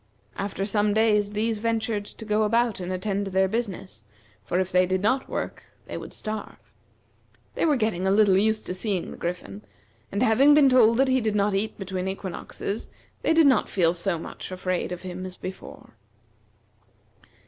After some days these ventured to go about and attend to their business, for if they did not work they would starve. They were getting a little used to seeing the Griffin, and having been told that he did not eat between equinoxes, they did not feel so much afraid of him as before.